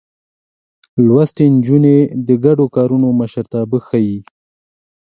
لوستې نجونې د ګډو کارونو مشرتابه ښيي.